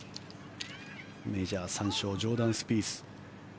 メジャー３勝ジョーダン・スピース。